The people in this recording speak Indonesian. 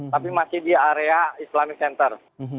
tapi masih di area islamic center